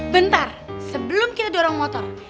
bentar sebelum kita dorong motor